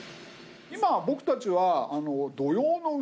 今僕たちは。